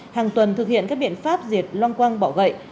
hàng tuần thực hiện các biện pháp diệt loang quang bọ gậy